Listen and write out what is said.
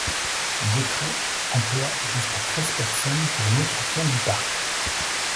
Gautret emploie jusqu'à treize personnes pour l'entretien du parc.